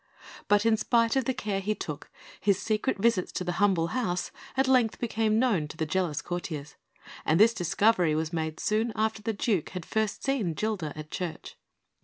But in spite of the care he took, his secret visits to the humble house at length became known to the jealous courtiers; and this discovery was made soon after the Duke had first seen Gilda at the church.